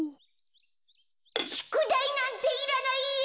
しゅくだいなんていらないよ！